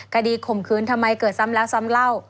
ข่มขืนทำไมเกิดซ้ำแล้วซ้ำเล่า